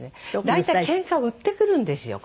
大体ケンカを売ってくるんですよ